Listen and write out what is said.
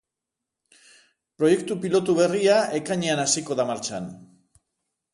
Proiektu pilotu berria ekainean hasiko da martxan.